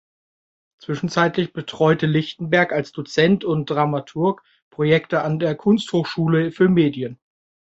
Zwischenzeitlich betreute Lichtenberg als Dozent und Dramaturg Projekte an der Kunsthochschule für Medien.